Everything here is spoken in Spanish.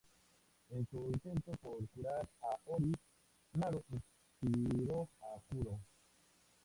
En su intento por curar a Ori, Naru inspiró a Kuro.